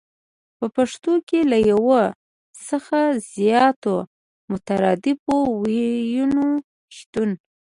په پښتو کې له يو څخه زياتو مترادفو ويونو شتون